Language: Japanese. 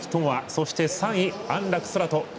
そして、３位、安楽宙斗。